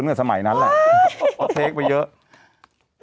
เมื่อกี่ปีกหมดที่เธอสตัดเอง